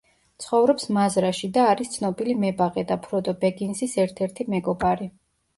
ცხოვრობს მაზრაში და არის ცნობილი მებაღე და ფროდო ბეგინსის ერთ-ერთი მეგობარი.